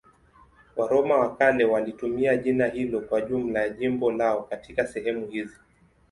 Waroma wa kale walitumia jina hilo kwa jumla ya jimbo lao katika sehemu hizi.